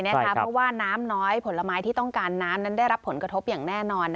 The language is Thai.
เพราะว่าน้ำน้อยผลไม้ที่ต้องการน้ำนั้นได้รับผลกระทบอย่างแน่นอน